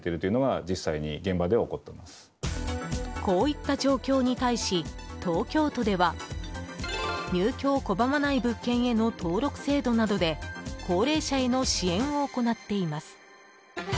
こういった状況に対し東京都では入居を拒まない物件への登録制度などで高齢者への支援を行っています。